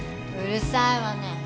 うるさいわね。